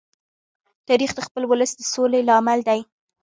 تاریخ د خپل ولس د سولې لامل دی.